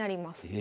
え？